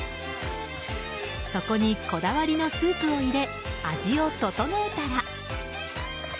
そこにこだわりのスープを入れ味を調えたら。